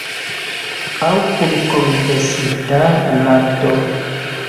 Aŭ kun kondensita lakto.